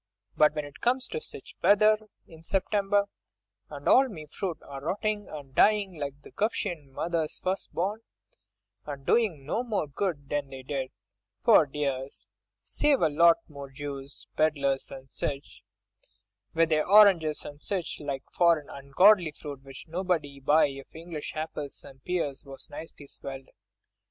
But when it comes to sich wet weather in September, and all me fruit a rottin' and a dyin' like the 'Guptian mother's first born, and doin' no more good than they did, pore dears, save to a lot of Jews, pedlars and sich, with their oranges and sich like foreign ungodly fruit, which nobody'd buy if English apples and pears was nicely swelled.